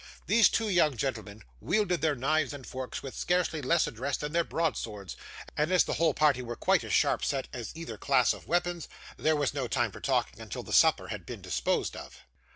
These two young gentlemen wielded their knives and forks with scarcely less address than their broad swords, and as the whole party were quite as sharp set as either class of weapons, there was no time for talking until the supper had been disposed of.